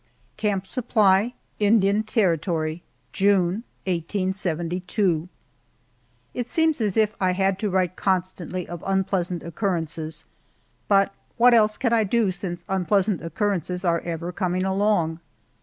CAMP SUPPLY, INDIAN TERRITORY, June, 1872. IT seems as if I had to write constantly of unpleasant occurrences, but what else can I do since unpleasant occurrences are ever coming along?